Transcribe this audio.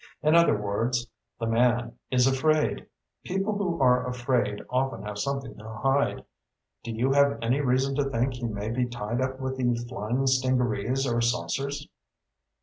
In other words, the man is afraid. People who are afraid often have something to hide. Do you have any reason to think he may be tied up with the flying stingarees or saucers?"